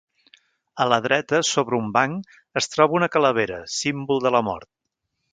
A la dreta, sobre un banc, es troba una calavera, símbol de la mort.